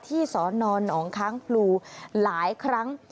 สอนอนหนองค้างพลูหลายครั้ง